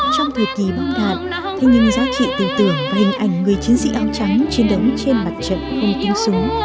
trong thời kỳ bom đạn thế nhưng giáo trị tưởng tưởng và hình ảnh người chiến sĩ áo trắng chiến đấu trên mặt trận không tính súng